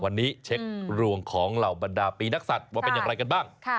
วันนี้เช็คดวงของเหล่าบรรดาปีนักศัตริย์ว่าเป็นอย่างไรกันบ้าง